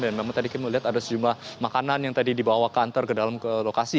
dan memang tadi kami melihat ada sejumlah makanan yang tadi dibawa ke antar ke dalam lokasi